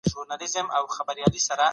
د خپلې خوښې لیکوالو په اړه هم بې طرفه اوسئ.